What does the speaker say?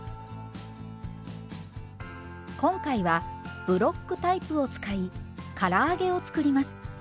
今回はブロックタイプを使いから揚げを作ります。